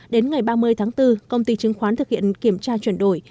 đến ngày ba mươi tháng bốn công ty chứng khoán thực hiện kiểm tra chuyển đổi